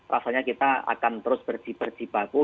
rasanya kita akan terus bercipa cipa ku